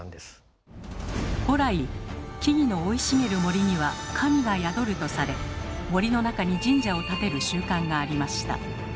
古来木々の生い茂る森には神が宿るとされ森の中に神社を建てる習慣がありました。